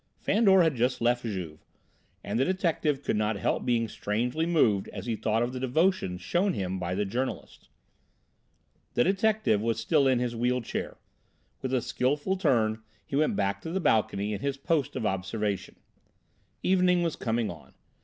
Fandor had just left Juve, and the detective could not help being strangely moved as he thought of the devotion shown him by the journalist. The detective was still in his wheel chair; with a skilful turn he went back to the balcony and his post of observation. Evening was coming on.